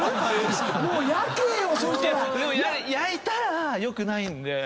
でも焼いたら良くないんで。